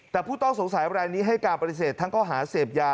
แต่ผู้ต้องสงสัยรายนี้ให้การปฏิเสธทั้งข้อหาเสพยา